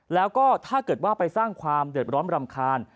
แล้วก็ถ้าเกิดว่าไปสร้างความเดือดร้อนรำคาญ